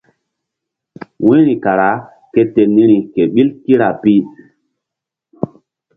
Wu̧yri kara ke ten niri ke ɓil kira pi.